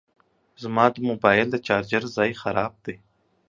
زما د موبایل د چارجر ځای خراب دی